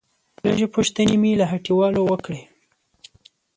لږې پوښتنې مې له هټيوالو وکړې.